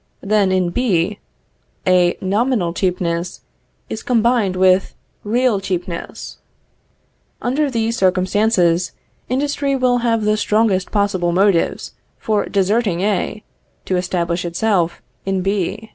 Then in B, a nominal cheapness is combined with real cheapness. Under these circumstances, industry will have the strongest possible motives for deserting A, to establish itself in B.